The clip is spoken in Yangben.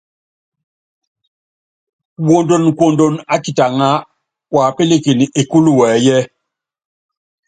Wondonkuondon ákitaŋa, wapílikini ékúlu wɛɛyiɛ́.